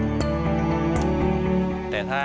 ทีนี้พออุงความรู้มีเท่าไหร่ให้หมด